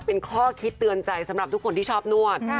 เป็นข้อคิดเตือนใจสำหรับทุกคนที่ชอบนวด